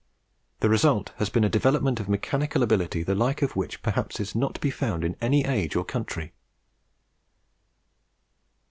The result has been a development of mechanical ability the like of which perhaps is not to be found in any age or country.